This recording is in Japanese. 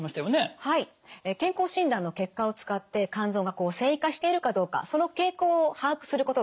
健康診断の結果を使って肝臓が線維化しているかどうかその傾向を把握することができる